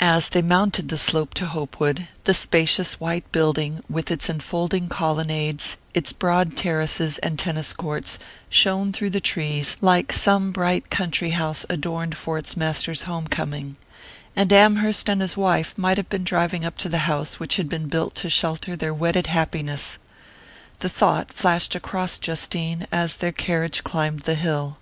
As they mounted the slope to Hopewood, the spacious white building, with its enfolding colonnades, its broad terraces and tennis courts, shone through the trees like some bright country house adorned for its master's home coming; and Amherst and his wife might have been driving up to the house which had been built to shelter their wedded happiness. The thought flashed across Justine as their carriage climbed the hill.